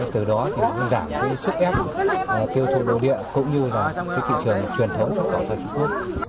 từ đó sẽ giảm sức ép tiêu thụ ổn định cũng như thị trường truyền thống xuất khẩu